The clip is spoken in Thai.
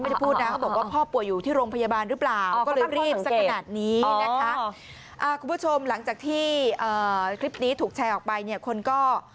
เขาบอกว่าพ่อป่วยอยู่ที่โรงพยาบาลหรือเปล่าก็เลยรีบสักขนาดนี้นะคะคุณผู้ชมหลังจากที่คลิปนี้ถูกแชร์ออกไปเนี่ยคนก็